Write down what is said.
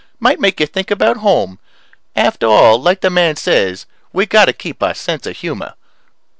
Might make you think about home. After all, like the man says, we got to keep our sense of humor.